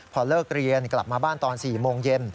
พอเลิกเรียนกลับมาบ้านตอน๔โมงเย็น